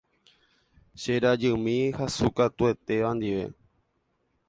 Che rajymi hasykatuetéva ndive.